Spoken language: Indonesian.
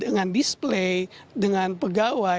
dengan display dengan pegawai